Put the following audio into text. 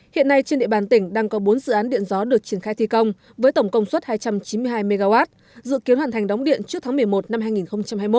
hiện nay trên địa bàn tỉnh đang có bốn dự án điện gió được triển khai thi công với tổng công suất hai trăm chín mươi hai mw dự kiến hoàn thành đóng điện trước tháng một mươi một năm hai nghìn hai mươi một